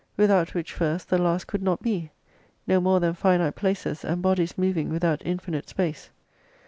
Without which first the last could not be ; no more than finite places, and bodies moving without infinite space.